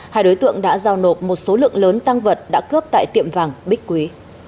hai đối tượng đã giao nộp một số lượng lớn tăng vật đã cướp tại tiệm vàng bích quý